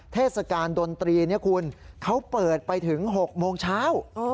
เทศกาลดนตรีเนี่ยคุณเขาเปิดไปถึง๖โมงเช้า